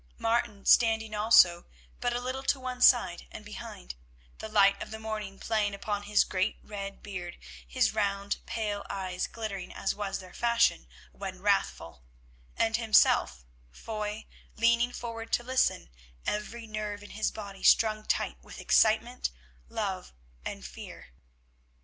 Martin standing also but a little to one side and behind, the light of the morning playing upon his great red beard; his round, pale eyes glittering as was their fashion when wrathful, and himself, Foy, leaning forward to listen, every nerve in his body strung tight with excitement, love, and fear.